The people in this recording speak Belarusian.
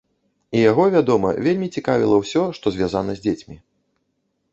І яго, вядома, вельмі цікавіла ўсё, што звязана з дзецьмі.